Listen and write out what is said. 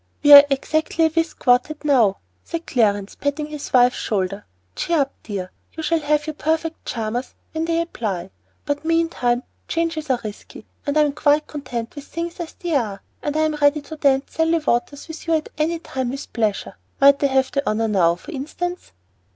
"We are exactly a whist quartet now," said Clarence, patting his wife's shoulder. "Cheer up, dear. You shall have your perfect charmers when they apply; but meantime changes are risky, and I am quite content with things as they are, and am ready to dance Sally Waters with you at any time with pleasure. Might I have the honor now, for instance?"